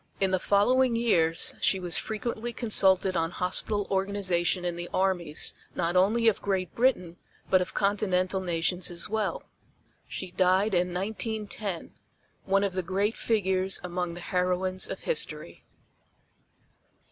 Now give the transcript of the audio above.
In the following years she was frequently consulted on hospital organization in the armies not only of Great Britain but of Continental nations as well. She died in 1910, one of the great figures among the heroines of history.